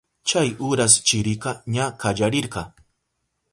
Chay uras chirika ña kallarirka.